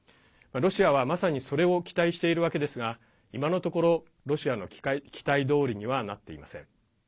ロシアはまさにそれを期待しているわけですが今のところロシアの期待どおりにはなっていません。